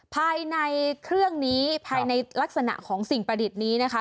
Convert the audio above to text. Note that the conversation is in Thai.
ภายในเครื่องนี้ภายในลักษณะของสิ่งประดิษฐ์นี้นะคะ